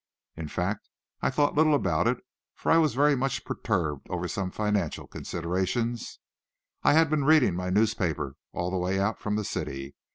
In fact, I thought little about it, for I was very much perturbed over some financial considerations. I had been reading my newspaper all the way out, from the city.